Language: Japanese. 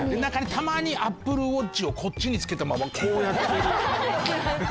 たまにＡｐｐｌｅＷａｔｃｈをこっちに着けたままこうやってるねえ？